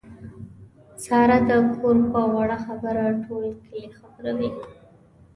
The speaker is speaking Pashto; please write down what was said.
ساره د کور په وړه خبره ټول کلی خبروي.